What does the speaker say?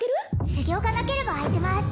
「修行がなければ空いてます」